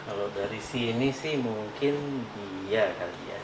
kalau dari sini sih mungkin iya kali ya